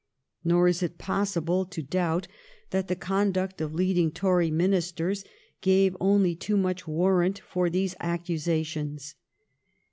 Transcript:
Nor is it possible to doubt that the conduct of leading Tory Ministers gave only too much warrant for these accusations.